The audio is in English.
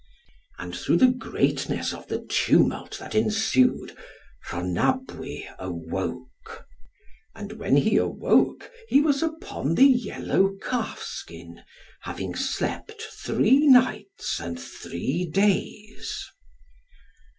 And through the greatness of the tumult that ensued, Rhonabwy awoke. And when he awoke he was upon the yellow calfskin, having slept three nights and three days.